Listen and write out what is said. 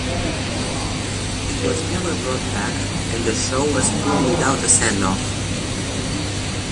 It was never brought back, and the show was pulled without a send-off.